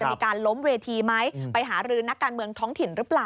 มีการล้มเวทีไหมไปหารือนักการเมืองท้องถิ่นหรือเปล่า